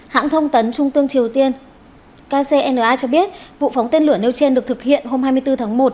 hãng thông tấn trung tương triều tiên kcna cho biết vụ phóng tên lửa nêu trên được thực hiện hôm hai mươi bốn tháng một